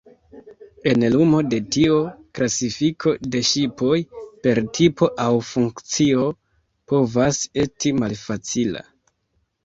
En lumo de tio, klasifiko de ŝipoj per tipo aŭ funkcio povas esti malfacila.